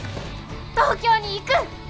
東京に行く！